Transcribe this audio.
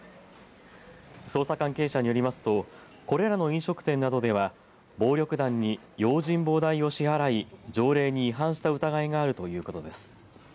捜査関係者によりますとこれらの飲食店などでは暴力団に用心棒代を支払い条例に違反した疑いがあるということです。